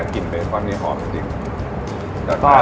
กลิ่นเบคอนนี้หอมจริงจากนั้น